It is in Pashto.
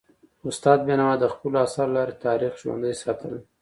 استاد بینوا د خپلو اثارو له لارې تاریخ ژوندی ساتلی.